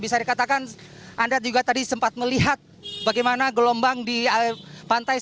bisa dikatakan anda juga tadi sempat melihat bagaimana gelombang di pantai